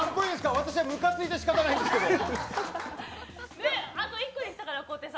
私は、むかついて仕方ないですから。